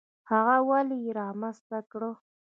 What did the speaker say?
هغه ولې یې رامنځته کړه؟